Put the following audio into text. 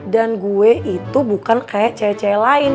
dan gue itu bukan kayak cewe cewe lain